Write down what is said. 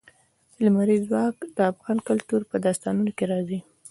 لمریز ځواک د افغان کلتور په داستانونو کې راځي.